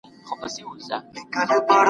د خلکو د منلو کچه يې مهمه بلله.